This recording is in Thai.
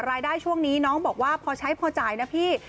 รายได้ช่วงนี้น้องบอกว่าพอใช้พอจ่ายนะพี่